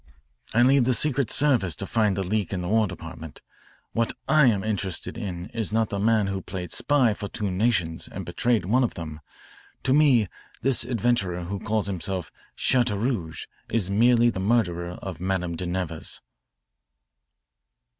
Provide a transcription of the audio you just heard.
"I leave the Secret Service to find the leak in the War Department. What I am interested in is not the man who played spy for two nations and betrayed one of them. To me this adventurer who calls himself Chateaurouge is merely the murderer of Madame de Nevers."